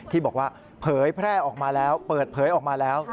ที่บอกว่าเผยแพร่ออกมาแล้วเปิดเผยออกมาแล้ว